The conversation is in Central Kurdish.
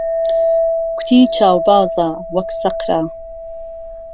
کوتی چاوبازه وهک سهقره